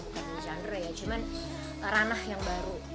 bukan genre ya cuman ranah yang baru